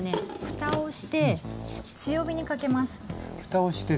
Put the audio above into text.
ふたをして強火にかけます。